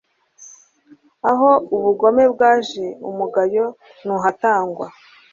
Aho ubugome bwaje umugayo ntuhatangwa